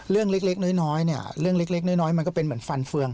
เรื่องเล็กน้อยเนี่ยเรื่องเล็กน้อยมันก็เป็นเหมือนฟันเฟือง